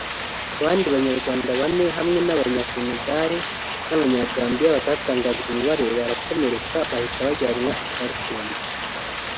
abandi Banyarwanda bane hamwe n’abanya Senegal n’abanya Gambia batatangajwe umubare barakomereka bahita bajyanwa i Khartoum